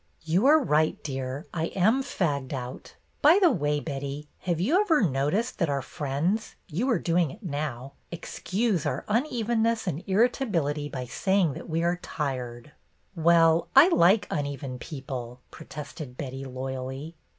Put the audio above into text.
"You are right, dear, I am fagged out. By the way, Betty, have you ever noticed that our friends — you are doing it now — excuse our unevenness and irritability by saying that we are tired ?" JUST AS LOIS HAD SAID 97 "Well, I like uneven people,'' protested Betty, loyally.